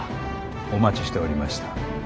お待ちしておりました。